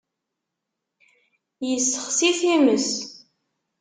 Yessexsi times.